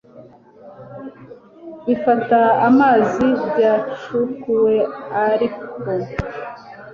bifata amazi byacukuwe ariko